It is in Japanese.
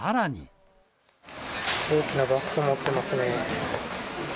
大きなバッグを持ってますね。